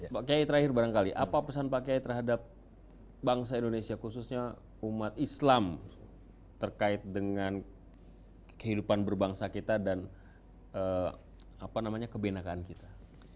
pak kiai terakhir barangkali apa pesan pak kiai terhadap bangsa indonesia khususnya umat islam terkait dengan kehidupan berbangsa kita dan kebenakaan kita